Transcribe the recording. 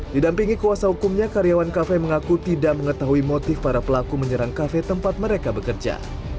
didampingi kuasa hukumnya karyawan kafe mengaku tidak mengetahui motif para pelaku menyerang kafe tempat mereka bekerja